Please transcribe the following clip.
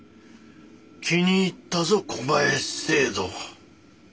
気に入ったぞ小林正道。